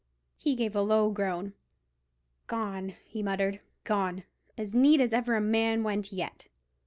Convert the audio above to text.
He gave a low groan. "Gone," he muttered; "gone, as neat as ever a man went yet."